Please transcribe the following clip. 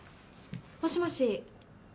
もしもし。